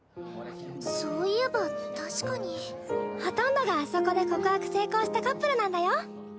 そういえば確かにほとんどがあそこで告白成功したカップルなんだよ